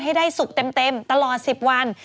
ให้ได้สุกเต็มตลอด๑๐วัน